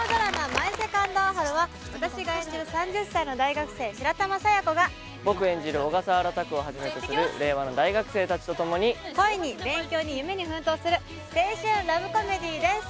「マイ・セカンド・アオハル」は私が演じる３０歳の大学生白玉佐弥子が僕演じる小笠原拓をはじめとする令和の大学生たちとともに恋に勉強に夢に奮闘する青春ラブコメディです